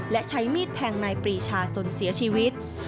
และใช้มีดแทงนายปรีชาจนเสียชีวิต